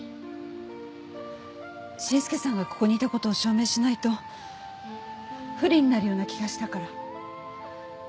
信祐さんがここにいた事を証明しないと不利になるような気がしたから。